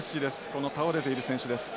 この倒れている選手です。